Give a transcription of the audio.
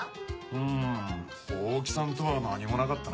うん大木さんとは何もなかったなぁ。